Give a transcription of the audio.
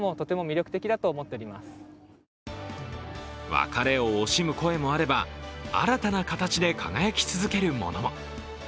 別れを惜しむ声もあれば、新たな形で輝き続けるものも。